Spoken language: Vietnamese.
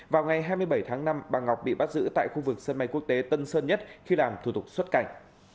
vào ngày hai mươi bảy tháng năm bà ngọc bị bắt giữ tại khu vực sân bay quốc tế tân sơn nhất khi làm thủ tục xuất cảnh